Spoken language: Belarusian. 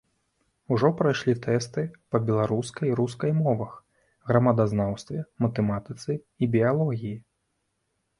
Ужо прайшлі тэсты па беларускай і рускай мовах, грамадазнаўстве, матэматыцы і біялогіі.